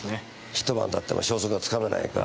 一晩経っても消息がつかめないか。